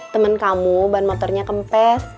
temen kamu ban motornya kempes